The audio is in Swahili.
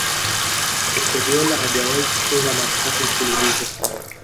Pep guardiola hajawahi kufungwa mara tatu mfululizo